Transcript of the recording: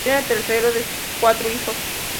Era el tercero de cuatro hijos.